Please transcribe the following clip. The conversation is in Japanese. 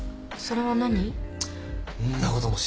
それは何？